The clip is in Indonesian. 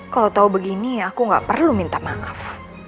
kalau tahu begini aku gak perlu minta maaf